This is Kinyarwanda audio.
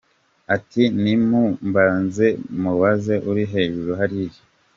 Ati nimubanze mubaze uri hejuru hariya.